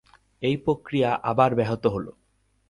এই প্রক্রিয়া আবার ব্যাহত হল।